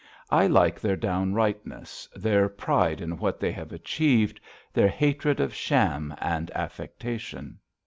I like their downrightness, their pride in what they have achieved, their hatred of sham and affectation.